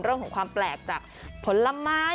เรื่องของความแปลกจากผลไม้